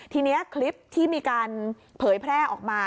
ทีนี้คลิปที่มีการเผยแพร่ออกมา